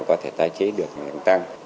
có thể tài chế được tăng